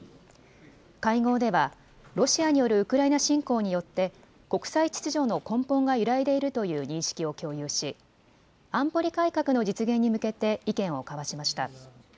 会合ではロシアによるウクライナ侵攻によって国際秩序の根本が揺らいでいるという認識を共有し安保理改革の実現に向けて意見を交わしました。